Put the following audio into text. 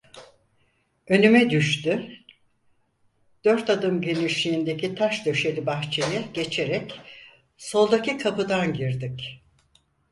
Önüme düştü, dört adım genişliğindeki taş döşeli bahçeyi geçerek soldaki kapıdan girdik.